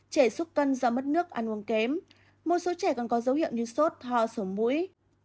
trẻ xúc cân do mất nước ăn uống kém một số trẻ còn có dấu hiệu như sốt ho sổ mũi